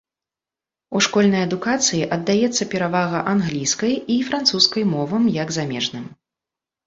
У школьнай адукацыі аддаецца перавага англійскай і французскай мовам як замежным.